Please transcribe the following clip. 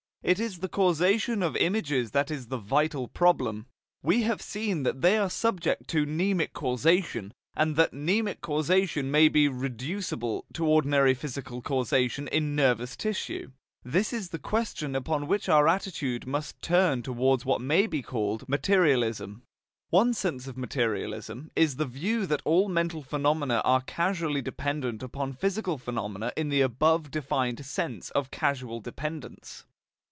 It is the causation of images that is the vital problem. We have seen that they are subject to mnenic causation, and that mnenic causation may be reducible to ordinary physical causation in nervous tissue. This is the question upon which our attitude must turn towards what may be called materialism. One sense of materialism is the view that all mental phenomena are causally dependent upon physical phenomena in the above defined sense of causal dependence.